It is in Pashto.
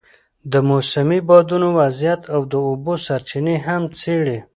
د موسمي بادونو وضعیت او د اوبو سرچینې هم څېړي.